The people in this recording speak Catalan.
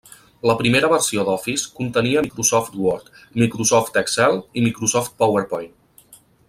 La primera versió d'Office contenia Microsoft Word, Microsoft Excel i Microsoft PowerPoint.